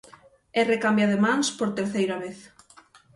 Erre cambia de mans por terceira vez.